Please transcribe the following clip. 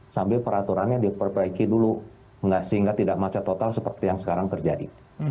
sambil peraturannya diperbaiki dulu sehingga tidak macet total seperti yang sekarang terjadi